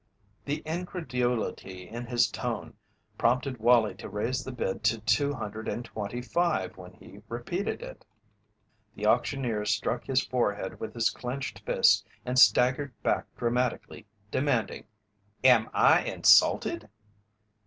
The incredulity in his tone prompted Wallie to raise the bid to two hundred and twenty five when he repeated it. The auctioneer struck his forehead with his clenched fist and staggered back dramatically, demanding: "Am I insulted?"